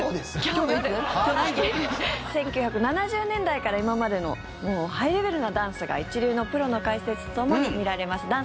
１９７０年代から今までのハイレベルなダンスが一流のプロの解説とともに見られます